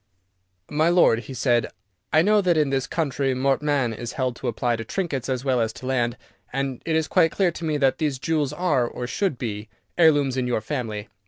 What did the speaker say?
"My lord," he said, "I know that in this country mortmain is held to apply to trinkets as well as to land, and it is quite clear to me that these jewels are, or should be, heirlooms in your family.